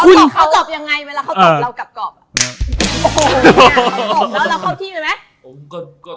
เขากลับยังไงเมื่อเขาตบเรากลับกรอบ